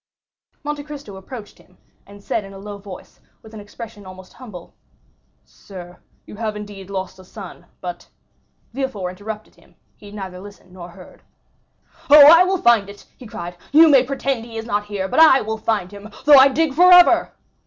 Monte Cristo approached him, and said in a low voice, with an expression almost humble: "Sir, you have indeed lost a son; but——" Villefort interrupted him; he had neither listened nor heard. "Oh, I will find it," he cried; "you may pretend he is not here, but I will find him, though I dig forever!"